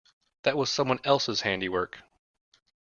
That was someone else's handy work.